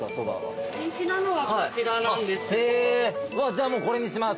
じゃあこれにします。